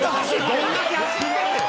「どんだけ走ってんねん！」